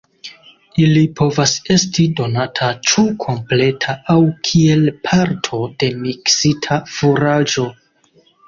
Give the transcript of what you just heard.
Ili povas esti donata ĉu kompleta aŭ kiel parto de miksita furaĝo.